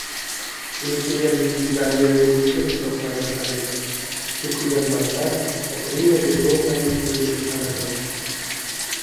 Unutilgan yulduzlar yerga oʻtkir nigohlarini qadagan, toʻkilgan barglar Katerina Petrovnaning yurishiga xalal berardi.